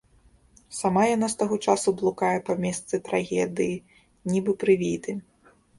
Сама яна з таго часу блукае па месцы трагедыі, нібы прывіды.